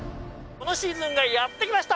このシーズンがやって来ました！